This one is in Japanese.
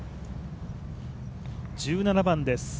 １７番です。